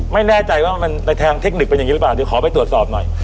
ไม่แน่ใจว่าในทางเทคนิคเป็นอย่างนี้หรือเปล่าเดี๋ยวขอไปตรวจสอบหน่อย